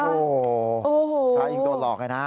ยังโดนหลอกเลยนะ